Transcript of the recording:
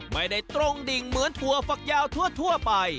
ไม่ได้ตรงดิ่งเหมือนถั่วฝักยาวทั่วไป